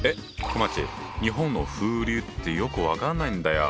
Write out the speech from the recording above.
こまっち日本の風流ってよく分かんないんだよ。